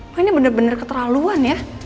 lo ini bener bener keterlaluan ya